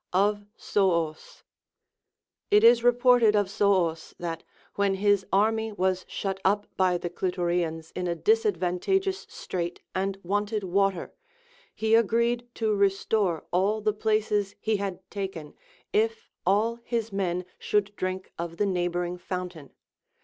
Of Soos. It is reported of Soos that, when his army was shut up by the Clitorians in a disadvantageous strait and wanted water, he agreed to restore all the places he had taken, if all his men should drink of the neighboring fountain.